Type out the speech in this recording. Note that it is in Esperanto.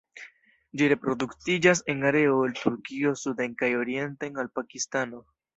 Ĝi reproduktiĝas en areo el Turkio suden kaj orienten al Pakistano.